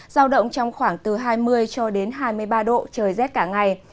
giao động trong khoảng từ hai mươi cho đến hai mươi ba độ trời rét cả ngày